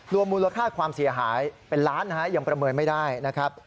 มูลค่าความเสียหายเป็นล้านนะฮะยังประเมินไม่ได้นะครับ